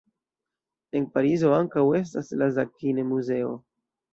En Parizo ankaŭ estas la Zadkine-Muzeo.